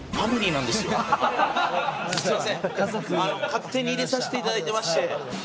勝手に入れさせて頂いてまして。